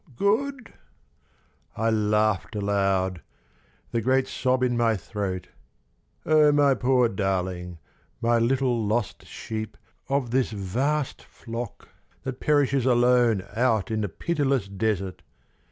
Good?" I laughed aloud, the great sob in my throat. O my poor darling, O my little lost sheep Of this vast flock that perishes alone Out in the pitiless desert!